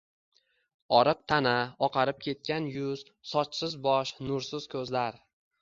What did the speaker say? Oriq tana, oqarib ketgan yuz, sochsiz bosh, nursiz ko`zlar